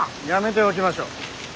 やめておきましょう。